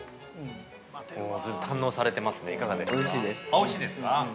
◆おいしいです、うん。